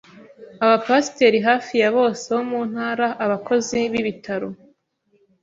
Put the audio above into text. Aba Pasteurs hafi ya bose bo mu ntara, abakozi b’ibitaro,